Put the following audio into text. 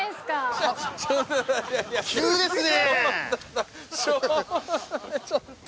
急ですね。